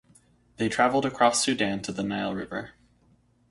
They travelled across Sudan to the Nile River.